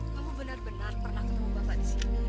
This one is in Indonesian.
kamu benar benar pernah ketemu bapak di sini